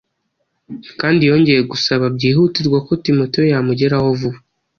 kandi yongeye gusaba byihutirwa ko Timoteyo yamugeraho vuba,